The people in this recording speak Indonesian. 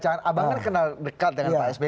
abang kan kenal dekat dengan pak sby